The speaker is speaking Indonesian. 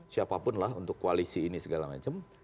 siapapun lah untuk koalisi ini segala macam